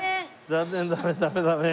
残念だね。